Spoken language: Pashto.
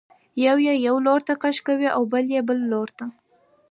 یو یې یو لورته کش کوي او بل یې بل لورته.